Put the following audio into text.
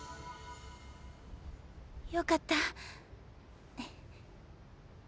よかった。